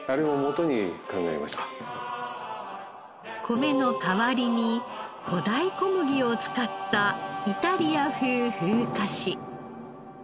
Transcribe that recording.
米の代わりに古代小麦を使ったイタリア風ふうかし。